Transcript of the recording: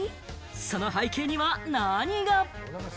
その背景には何が？